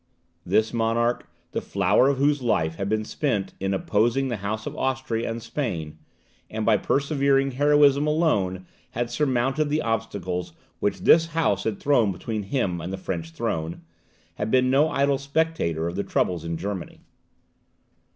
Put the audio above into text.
This monarch, the flower of whose life had been spent in opposing the House of Austria and Spain, and by persevering heroism alone had surmounted the obstacles which this house had thrown between him and the French throne, had been no idle spectator of the troubles in Germany.